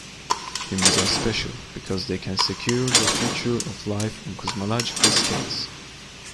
Humans are special because they can secure the future of life on cosmological scales.